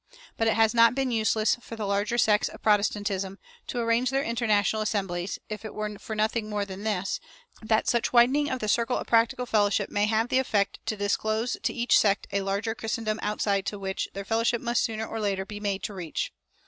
But it has not been useless for the larger sects of Protestantism to arrange their international assemblies, if it were for nothing more than this, that such widening of the circle of practical fellowship may have the effect to disclose to each sect a larger Christendom outside to which their fellowship must sooner or later be made to reach.